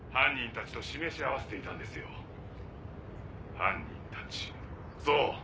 犯人たちそう。